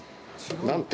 なんて